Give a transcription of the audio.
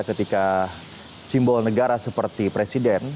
ketika simbol negara seperti presiden